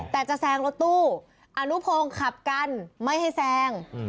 แต่จะแซงรถตู้อนุพงศ์ขับกันไม่ให้แซง